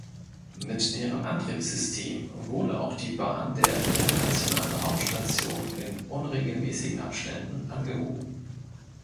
Mit deren Antriebssystem wurde auch die Bahn der Internationalen Raumstation in unregelmäßigen Abständen angehoben.